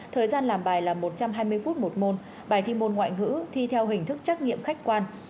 thời gian làm bài là một trăm hai mươi phút một môn bài thi môn ngoại ngữ thi theo hình thức trắc nghiệm khách quan